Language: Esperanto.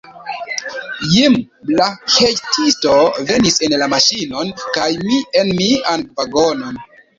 Jim, la hejtisto, venis en la maŝinon kaj mi en mian vagonon.